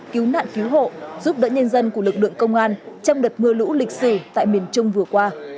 cứu nạn cứu hộ giúp đỡ nhân dân của lực lượng công an trong đợt mưa lũ lịch sử tại miền trung vừa qua